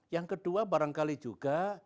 yang kedua barangkali juga